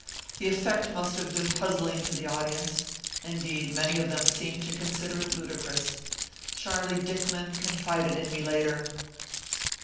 The effect must have been puzzling to the audience. Indeed, many of them seemed to consider it ludicrous. Charlie Dickman confided in me later.